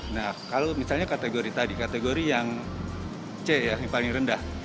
nah kalau misalnya kategori tadi kategori yang c yang paling rendah